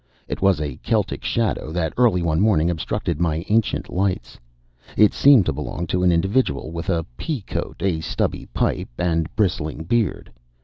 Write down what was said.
It was a Celtic shadow that early one morning obstructed my ancient lights. It seemed to belong to an individual with a pea coat, a stubby pipe, and bristling beard.